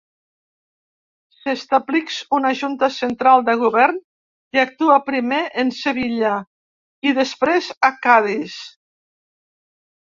S'establix una Junta Central de Govern que actua primer en Sevilla i després a Cadis.